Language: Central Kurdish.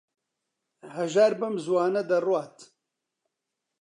هەژار بەم زووانە دەڕوات.